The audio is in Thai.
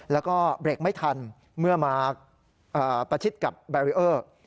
แล้วก็เบรกไม่ทันเมื่อมาประชิดกับแบรีเออร์